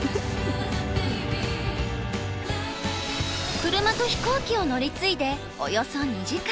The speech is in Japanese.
車と飛行機を乗り継いでおよそ２時間。